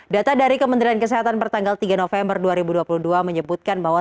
data dari kementerian kesehatan pertanggal tiga november dua ribu dua puluh dua menyebutkan bahwa